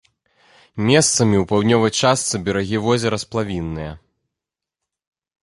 Месцамі ў паўднёвай частцы берагі возера сплавінныя.